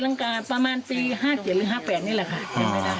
รังกาประมาณปี๕๗หรือ๕๘นี่แหละค่ะ